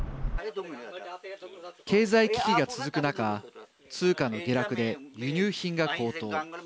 経済危機が続く中通貨の下落で輸入品が高騰。